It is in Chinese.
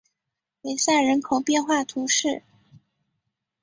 梅塞人口变化图示